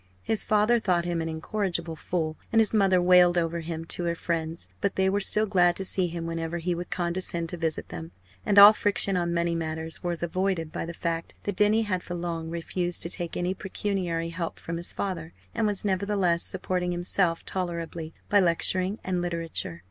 His father thought him an incorrigible fool, and his mother wailed over him to her friends. But they were still glad to see him whenever he would condescend to visit them; and all friction on money matters was avoided by the fact that Denny had for long refused to take any pecuniary help from his father, and was nevertheless supporting himself tolerably by lecturing and literature.